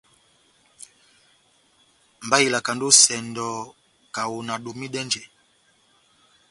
Mba ikalandi ó esɛndɔ kaho nadomidɛnjɛ.